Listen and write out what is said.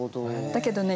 だけどね